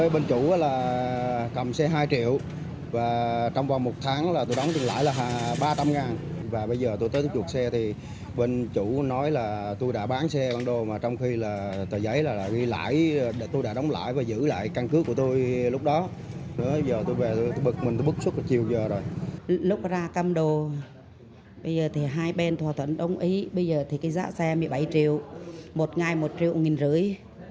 bây giờ thì hai bên thỏa thuận đồng ý bây giờ thì cái giá xe một mươi bảy triệu một ngày một triệu nghìn rưỡi